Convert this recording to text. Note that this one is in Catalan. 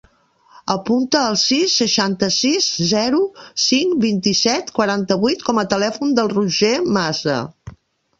Apunta el sis, seixanta-sis, zero, cinc, vint-i-set, quaranta-vuit com a telèfon del Roger Masa.